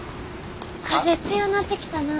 風強なってきたな。